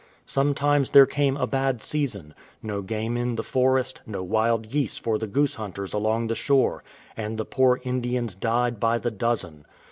Sometimes there came a bad season — no game in the forest, no wild geese for the goose hunters along the shore — and the poor Indians died by the dozen.